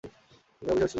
তিনিই অভিনয়ে সুযোগ দেন।